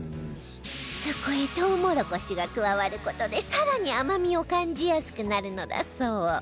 そこへとうもろこしが加わる事で更に甘みを感じやすくなるのだそう